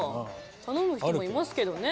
頼む人もいますけどね。